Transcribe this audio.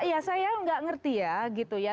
ada saya tidak mengerti ya